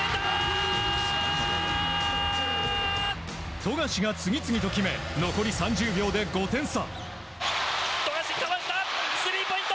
富樫が次々と決め残り３０秒で５点差。